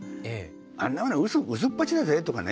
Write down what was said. あんなものはうそっぱちだぜとかね